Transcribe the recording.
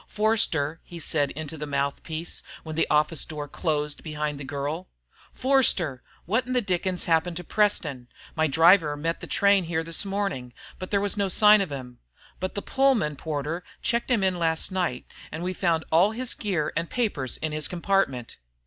"Forster," he said into the mouthpiece when the office door closed behind the girl. "Forster! What the dickens has happened to Preston? My driver met the train here this morning, but there was no sign of him. But the Pullman porter checked him in last night, and we found all his gear and papers in his compartment!"